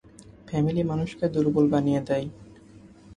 Family মানুষকে দুর্বল বানিয়ে দেয়।